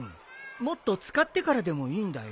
もっと使ってからでもいいんだよ？